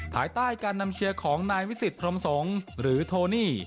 ภายใต้การนำเชียร์ของนายวิสิตพรมสงฆ์หรือโทนี่